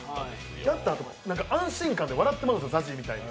やったあと安心感で笑ってまうんですよ、ＺＡＺＹみたいに。